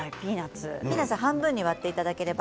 ピーナツは半分に割っていただければ